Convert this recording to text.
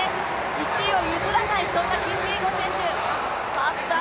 １位を譲らない、そんなキピエゴン選手。